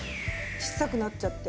小さくなっちゃって。